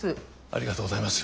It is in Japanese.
ありがとうございます。